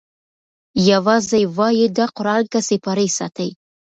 یوازی وایي دا قران که سیپارې ساتی